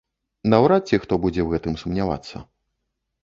Наўрад ці хто будзе ў гэтым сумнявацца.